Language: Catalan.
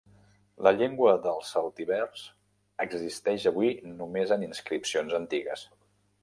La llengua dels celtibers existeix avui només en inscripcions antigues.